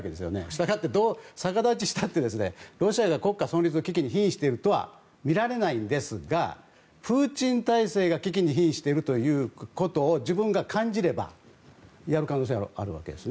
したがって逆立ちしたってロシアが国家存立の危機に瀕しているとはみられないんですがプーチン体制が危機に瀕しているということを自分が感じれば、やる可能性はあるわけです。